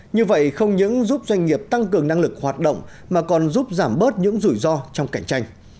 như vậy không những giúp doanh nghiệp tăng cường năng lực hoạt động mà còn giúp giảm bớt những rủi ro trong cạnh tranh